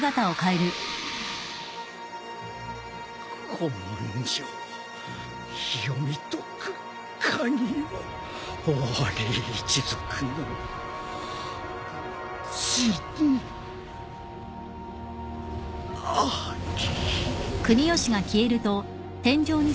古文書を読み解く鍵はオワリ一族の血にあり。